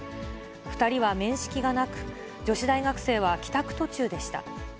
２人は面識がなく、女子大学生は帰宅途中でした。